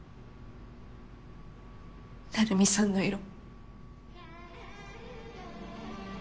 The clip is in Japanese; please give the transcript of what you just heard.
成海さんの色。